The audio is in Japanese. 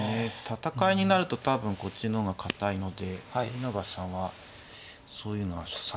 戦いになると多分こっちの方が堅いので稲葉さんはそういうのは避けたいのかもしれないですね。